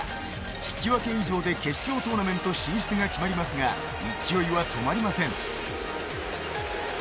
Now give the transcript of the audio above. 引き分け以上で決勝トーナメント進出が決まりますが勢いは止まりません。